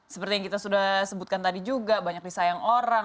seperti yang kita sudah sebutkan tadi juga banyak disayang orang